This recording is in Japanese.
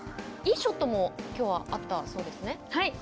いいショットもきょうはあったそうですね。